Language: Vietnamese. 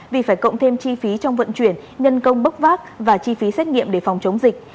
vì phải cộng thêm chi phí trong vận chuyển nhân công bốc vác và chi phí xét nghiệm để phòng chống dịch